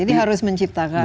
jadi harus menciptakan karakter